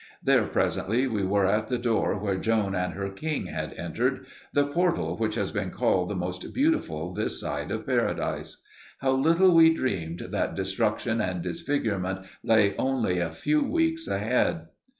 Then presently we were at the doorway where Joan and her king had entered the portal which has been called the most beautiful this side of paradise. How little we dreamed that destruction and disfigurement lay only a few weeks ahead!